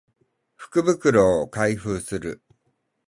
福袋を開封する